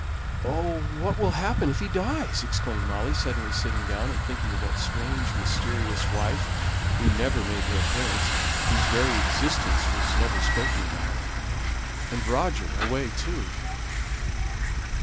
"Oh, what will happen if he dies!" exclaimed Molly, suddenly sitting down, and thinking of that strange, mysterious wife who never made her appearance, whose very existence was never spoken about and Roger away too!